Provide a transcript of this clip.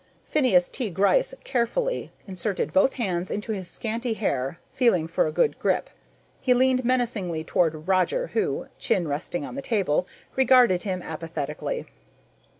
Phineas T. Gryce carefully inserted both hands into his scanty hair, feeling for a good grip. He leaned menacingly toward Roger who, chin resting on the table, regarded him apathetically.